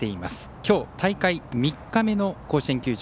きょう大会３日目の甲子園球場。